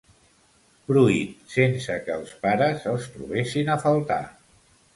Pruit sense que els pares els trobessin a faltar.